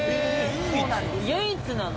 唯一なの？